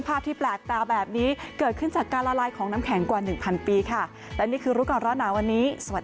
โปรดติดตามตอนต่อไป